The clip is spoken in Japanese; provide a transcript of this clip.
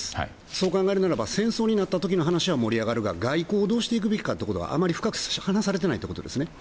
そう考えるならば戦争になった時は盛り上がるが外交をどうしていくべきかはあまり深く話されていないですよね。